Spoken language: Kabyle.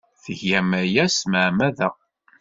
Tgam aya s tmeɛmada.